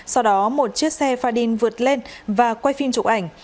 sau đó một chiếc xe pha đin vượt lên và quay phim chụp ảnh